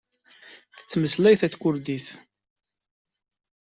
Tettmeslay takurdit.